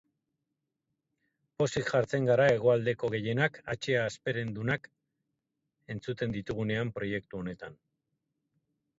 Pozik jartzen gara Hegoaldeko gehienak hatxea hasperendunak entzuten ditugunean proiektu honetan.